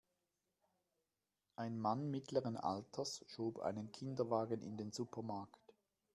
Ein Mann mittleren Alters schob einen Kinderwagen in den Supermarkt.